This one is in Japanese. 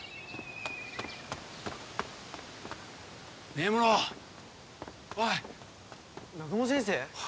根室おい南雲先生？